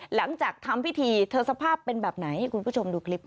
หลังจากทำพิธีเธอสภาพเป็นแบบไหนให้คุณผู้ชมดูคลิปค่ะ